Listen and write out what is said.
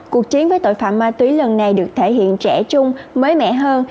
cuộc chiến với tội phạm ma túy lần này được thể hiện trẻ trung mới mẹ hơn